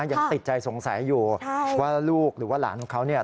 ยังติดใจสงสัยอยู่ว่าลูกหรือว่าหลานของเขาเนี่ย